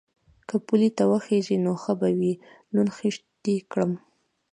_که پولې ته وخېژې نو ښه به وي، لوند خيشت دې کړم.